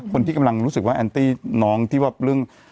คนที่กำลังรู้สึกว่าแอนตี้น้องที่ว่าเรื่อง